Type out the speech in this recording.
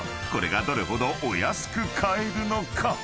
［これがどれほどお安く買えるのか？］